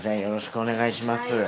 よろしくお願いします。